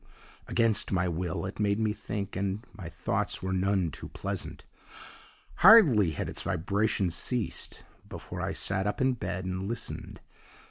"Against my will, it made me think, and my thoughts were none too pleasant. "Hardly had its vibrations ceased before I sat up in bed and listened!